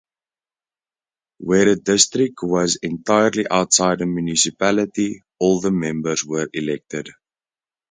Where a district was entirely outside a municipality, all the members were elected.